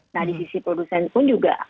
nah di sisi produsen pun juga